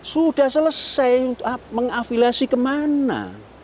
sudah selesai mengafiliasi kemana